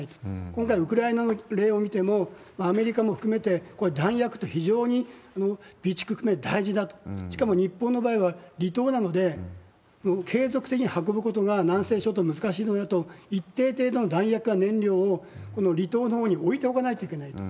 今回、ウクライナの例を見ても、アメリカも含めて、これ、弾薬って非常に備蓄含め大事だと。しかも日本の場合は離島なので、継続的に運ぶことが、南西諸島難しいのだと、一定程度の弾薬や燃料を離島のほうに置いておかないといけないと。